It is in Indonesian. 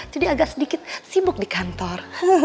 jadi agak sedikit sibuk di kantor